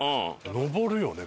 上るよね